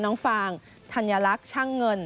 น้องฟางธัญลักษ์ช่างเงิน